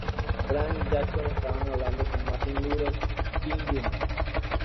Branch y Jackson estaban hablando con Martin Luther King, Jr.